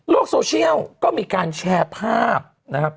โซเชียลก็มีการแชร์ภาพนะครับ